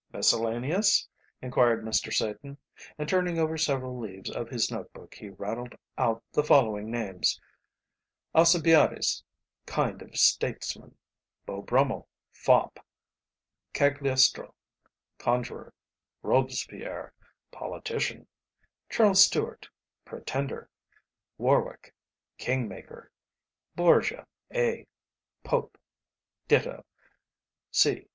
"Miscellaneous?" inquired Mr. Satan, and turning over several leaves of his notebook, he rattled out the following names: "Alcibiades, kind of statesman; Beau Brummel, fop; Cagliostro, conjurer; Robespierre, politician; Charles Stuart, Pretender; Warwick, King maker; Borgia, A., Pope; Ditto, C.